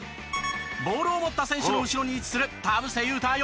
ボールを持った選手の後ろに位置する田臥勇太